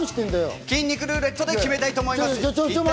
筋肉ルーレットで決めたいと思います。